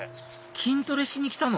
筋トレしに来たの？